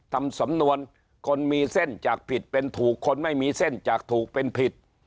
ทำสำนวนคนมีเส้นจากผิดเป็นถูกคนไม่มีเส้นจากถูกเป็นผิด